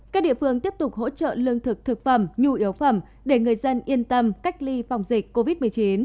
các địa phương tiếp tục hỗ trợ lương thực thực phẩm nhu yếu phẩm để người dân yên tâm cách ly phòng dịch covid một mươi chín